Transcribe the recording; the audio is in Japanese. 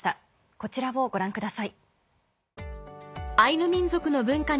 こちらをご覧ください。